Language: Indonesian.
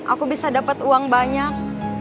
aku bisa dapat uang banyak